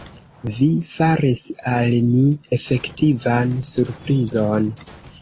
Vi faris al mi efektivan surprizon!